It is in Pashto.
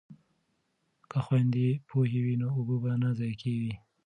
که خویندې پوهې وي نو اوبه به نه ضایع کوي.